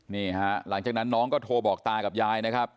นี่ฮะหลังจากนั้นน้องก็โทรบอกตากับยายนะครับ